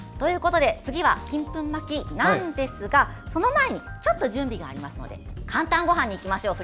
次は、金粉まきなんですがその前にちょっと準備がありますので「かんたんごはん」にいきましょう。